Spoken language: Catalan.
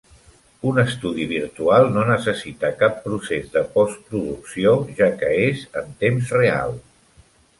Un estudi virtual no necessita cap procés de postproducció, ja que és en temps real.